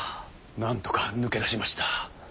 なんとか抜け出しました。